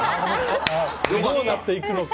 どうなっていくのか。